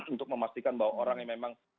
untuk memastikan bahwa orang yang memang